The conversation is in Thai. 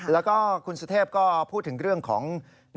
แล้วก็คุณสุเทพก็พูดถึงเรื่องของ